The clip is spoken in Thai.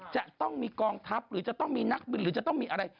จะต้องมีกองทัพหรือจะต้องมีนักบินหรือจะต้องมีอะไร